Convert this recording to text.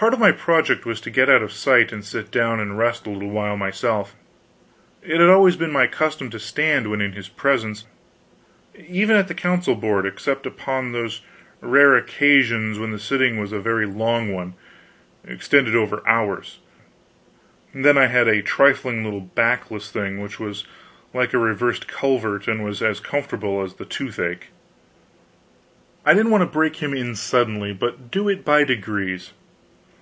Part of my project was to get out of sight and sit down and rest a little myself. It had always been my custom to stand when in his presence; even at the council board, except upon those rare occasions when the sitting was a very long one, extending over hours; then I had a trifling little backless thing which was like a reversed culvert and was as comfortable as the toothache. I didn't want to break him in suddenly, but do it by degrees.